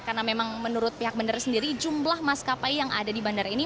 karena memang menurut pihak bandara sendiri jumlah maskapai yang ada di bandara ini